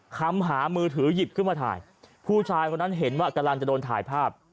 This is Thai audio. คำหามือถือหยิบขึ้นมาถ่ายผู้ชายคนนั้นเห็นว่ากำลังจะโดนถ่ายภาพ